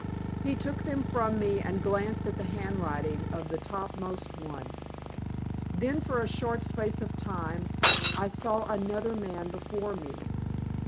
He took them from me and glanced at the handwriting of the topmost one. Then for a short space of time I saw another man before me.